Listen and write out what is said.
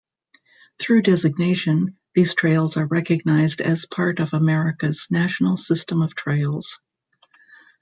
Through designation, these trails are recognized as part of America's national system of trails.